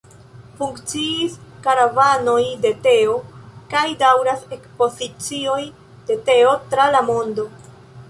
Funkciis karavanoj de teo, kaj daŭras ekspozicioj de teo tra la mondo.